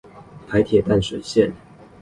臺鐵淡水線